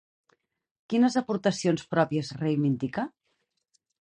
Quines aportacions pròpies reivindica?